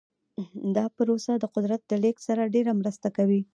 دا پروسه د قدرت د لیږد سره ډیره مرسته کوي.